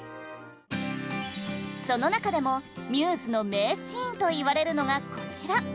その中でもμ’ｓの名シーンと言われるのがこちら。